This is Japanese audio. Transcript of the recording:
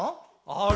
あれ？